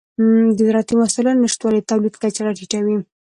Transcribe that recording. د زراعتي وسایلو نشتوالی د تولید کچه راټیټوي.